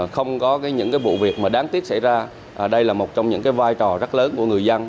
không có những vụ việc đáng tiếc xảy ra đây là một trong những vai trò rất lớn của người dân